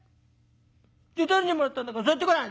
「じゃあ誰にもらったんだか言ってごらん」。